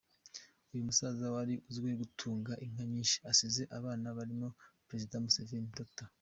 Uyu musaza wari uzwiho gutunga inka nyinshi, asize abana barimo Perezida Museveni, Dr.